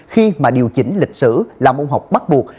khi mà điều chỉnh lịch sử là môn học bắt buộc